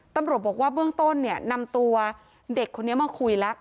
ตำรวจบอกว่าเบื้องต้นเนี่ยนำตัวเด็กคนนี้มาคุยแล้ว